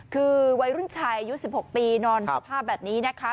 คือวัยรุ่นชายอายุ๑๖ปีนอนสภาพแบบนี้นะคะ